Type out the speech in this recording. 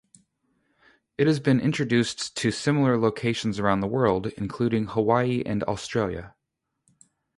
It has been introduced to similar locations around the world, including Hawaii and Australia.